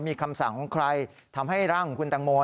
มีคำสั่งของใครทำให้ร่างของคุณตังโม